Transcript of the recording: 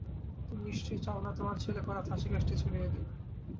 তুমি নিশ্চয়ই চাও না, তোমার ছেলেকে ওরা ফাঁসিকাষ্ঠে ঝুলিয়ে দিক।